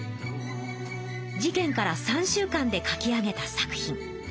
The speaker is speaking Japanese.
事件から３週間で書き上げた作品。